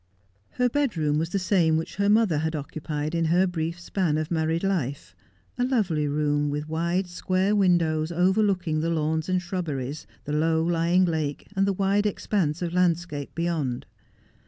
Her bedroom was the same which her mother had occupied in her brief span of married life, a lovely room with wide square windows overlooking the lawns and shrubberies, the low lying lake and the wide expanse of landscape beyond.